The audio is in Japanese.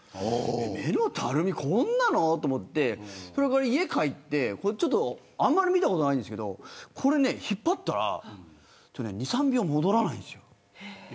目のたるみ、こんなのと思ってそれから家に帰ってあんまり見たことないんですけどこれ引っ張ったら２、３秒戻らないですよ。